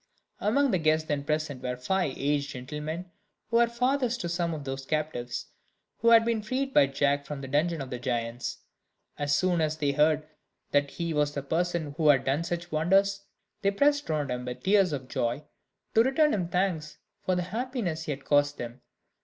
Among the guests then present were five aged gentlemen, who were fathers to some of those captives who had been freed by Jack from the dungeon of the giants. As soon as they heard that he was the person who had done such wonders, they pressed round him with tears of joy, to return him thanks for the happiness he had caused them.